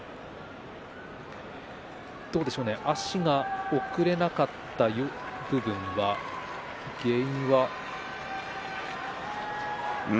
足が送れなかった部分の原因は。